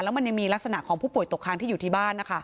มันยังมีลักษณะของผู้ป่วยตกค้างที่อยู่ที่บ้านนะคะ